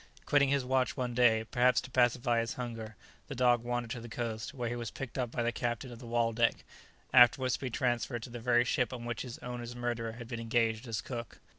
Quitting his watch one day, perhaps to pacify his hunger, the dog wandered to the coast, where he was picked up by the captain of the "Waldeck," afterwards to be transferred to the very ship on which his owner's murderer had been engaged as cook.